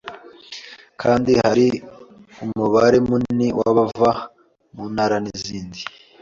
kandi hari umubare munini w'abava mu ntara zindi